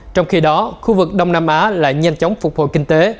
trong khi đó khu vực đông nam á lại nhanh chóng phục hồi kinh tế